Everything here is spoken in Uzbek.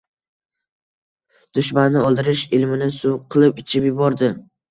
Dushmanni oʻldirish ilmini suv qilib ichib yubordi